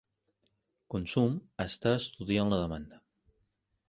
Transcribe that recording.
Consum està estudiant la demanda